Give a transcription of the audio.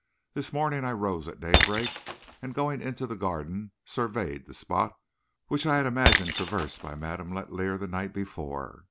This morning I rose at daybreak, and going into the garden, surveyed the spot which I had imagined traversed by Madame Letellier the night before.